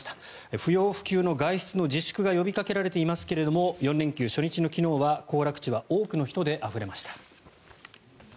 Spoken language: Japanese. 不要不急の外出の自粛が呼びかけられていますけれども４連休初日の昨日は、行楽地は多くの人であふれました。